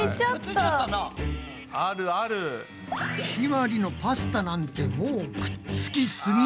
ひまりのパスタなんてもうくっつきすぎ！